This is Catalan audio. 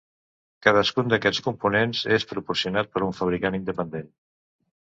Cadascun d'aquests components és proporcionat per un fabricant independent.